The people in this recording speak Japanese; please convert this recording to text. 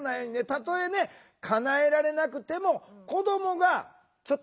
たとえかなえられなくても子どもがちょっと納得するっていうかね